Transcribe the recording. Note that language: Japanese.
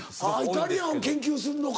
イタリアンを研究をすんのか。